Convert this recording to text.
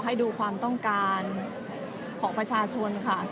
และที่อยู่ด้านหลังคุณยิ่งรักนะคะก็คือนางสาวคัตยาสวัสดีผลนะคะ